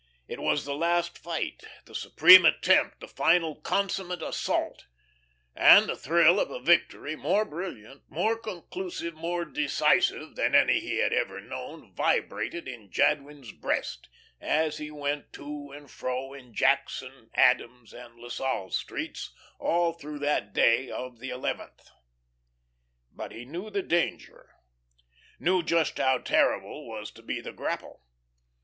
It was the last fight, the supreme attempt the final consummate assault, and the thrill of a victory more brilliant, more conclusive, more decisive than any he had ever known, vibrated in Jadwin's breast, as he went to and fro in Jackson, Adams, and La Salle streets all through that day of the eleventh. But he knew the danger knew just how terrible was to be the grapple.